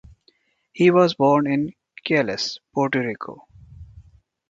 He was born in Ciales, Puerto Rico.